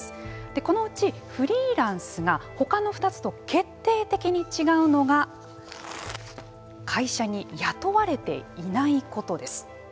でこのうちフリーランスがほかの２つと決定的に違うのが会社に雇われていないことです。